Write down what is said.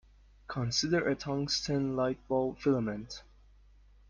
Consider a tungsten light-bulb filament.